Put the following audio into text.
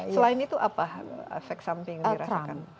selain itu apa efek samping yang dirasakan